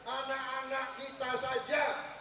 anak anak kita saja